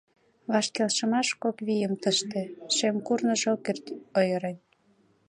Ваш келшымаш кок вийым тыште Шем курныж ок керт ойырен.